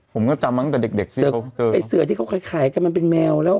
ผมก็จำมาตั้งแต่เด็กเด็กสิไอ้เสือที่เขาเคยขายกันมันเป็นแมวแล้ว